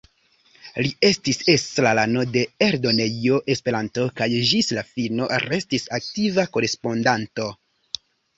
Li estis estrarano de Eldonejo Esperanto kaj ĝis la fino restis aktiva korespondanto.